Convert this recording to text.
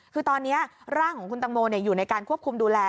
คือตอนนี้ร่างของคุณตังโมอยู่ในการควบคุมดูแล